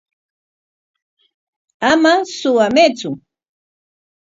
Ama suwamaytsu.